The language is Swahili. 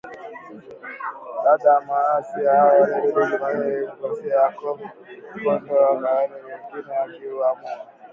Baadhi ya waasi hao walirudi Jamuhuri ya Demokrasia ya Kongo kwa hiari huku wengine wakiamua